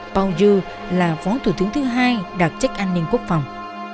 pau yu là phó thủ tướng thứ hai đặc trách an ninh quốc phòng